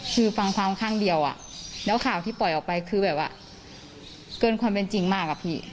คือฟังความข้างเดียวแล้วข่าวที่ปล่อยออกไปคือเกินความเป็นจริงมาก